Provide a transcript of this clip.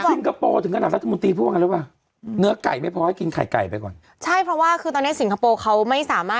สิงคโปร์ถึงขนาดรัฐมนตรีพวกมันหรือเปล่า